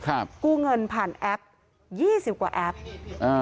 กู้เงินผ่านแอปยี่สิบกว่าแอปอ่า